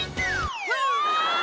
「うわ！」